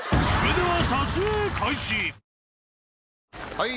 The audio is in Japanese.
・はい！